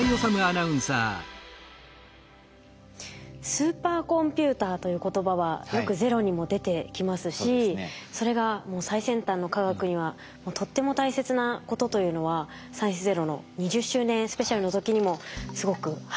「スーパーコンピューター」という言葉はよく「ＺＥＲＯ」にも出てきますしそれが最先端の科学にはとっても大切なことというのは「サイエンスＺＥＲＯ」の２０周年スペシャルの時にもすごくよく分かりました。